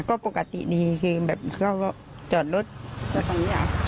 ก็ปกติดีคือแบบก็ก็จอดรถแบบตรงนี้อะ